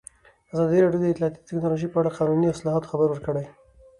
ازادي راډیو د اطلاعاتی تکنالوژي په اړه د قانوني اصلاحاتو خبر ورکړی.